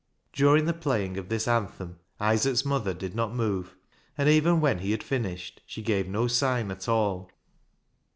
During the playing of this anthem Isaac's 266 BECKSIDE LIGHTS mother did not move, and even when he had finished she gave no sign at all.